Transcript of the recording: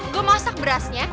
gue masak berasnya